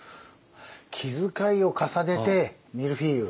気遣いを重ねて見るフィーユ。